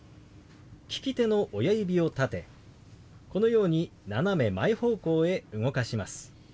利き手の親指を立てこのように斜め前方向へ動かします。